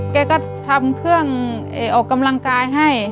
แกก็ทำเครื่องออกกำลังกายให้